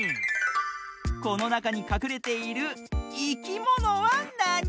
このなかにかくれているいきものはなに？